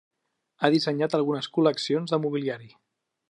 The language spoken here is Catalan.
Ha dissenyat algunes col·leccions de mobiliari.